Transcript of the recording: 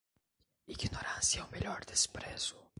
Ignorância é o melhor desprezo.